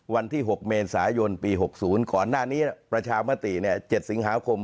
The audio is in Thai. วันที่หกเมษายนปีหกศูนย์ก่อนหน้านี้ประชามติเนี่ย๗สิงหาคม